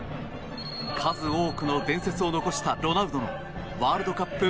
数多くの伝説を残したロナウドのワールドカップ